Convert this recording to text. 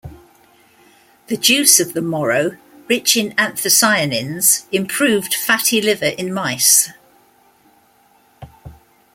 The juice of the 'Moro', rich in anthocyanins, improved fatty liver in mice.